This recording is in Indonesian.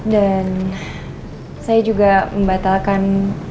dan saya juga membatalkan